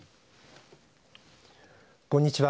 こんにちは。